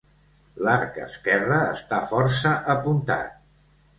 L'arc esquerre està força apuntat.